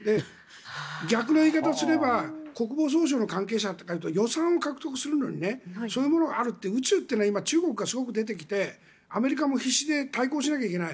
逆の言い方をすれば国防総省の関係者からすれば予算を獲得するのにそういうものがあると宇宙というのは今、中国がすごく出てきてアメリカも必死で対抗しなければいけない。